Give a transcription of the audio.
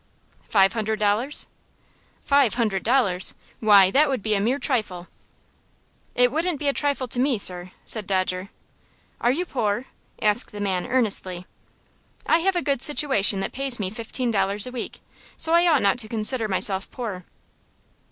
"Five hundred dollars?" "Five hundred dollars! Why, that would be a mere trifle." "It wouldn't be a trifle to me, sir," said Dodger. "Are you poor?" asked the man, earnestly. "I have a good situation that pays me fifteen dollars a week, so I ought not to consider myself poor."